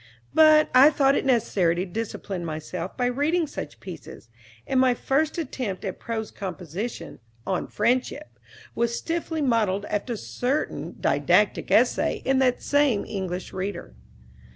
But I though it necessary to discipline myself by reading such pieces, and my first attempt at prose composition, "On Friendship," was stiffly modeled after a certain "Didactick Essay" in that same English Reader.